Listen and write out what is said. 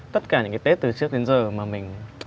tất cả những cái tết từ trước đến giờ mà mình